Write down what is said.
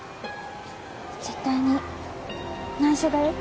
絶対に内緒だよ？